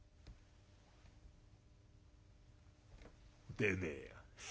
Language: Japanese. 「出ねえよ。